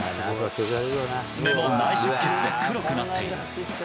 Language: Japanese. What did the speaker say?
爪も内出血で黒くなっている。